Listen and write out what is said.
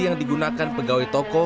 yang digunakan pegawai toko